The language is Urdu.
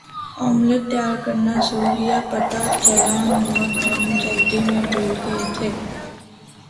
آملیٹ تیار کرنا شروع کیا پتا چلا نمک ہم جلدی میں بھول گئےتھے